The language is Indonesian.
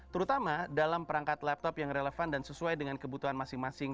terutama dalam perangkat laptop yang relevan dan sesuai dengan kebutuhan masing masing